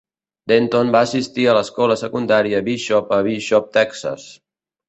Denton va assistir a l'Escola Secundària Bishop a Bishop, Texas.